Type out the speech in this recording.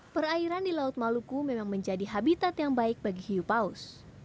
perairan di laut maluku memang menjadi habitat yang baik bagi hiu paus